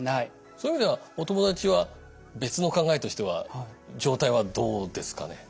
そういう意味ではお友達は別の考えとしては状態はどうですかね？